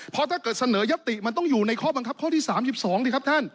เพราะถ้าเกิดเสนอยัตติมันต้องอยู่ในข้อบังคับข้อที่๓๒สิครับท่าน